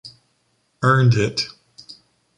Earned it!